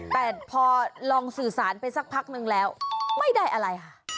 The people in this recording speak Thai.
แต่พอลองสื่อสารไปสักพักนึงแล้วไม่ได้อะไรค่ะ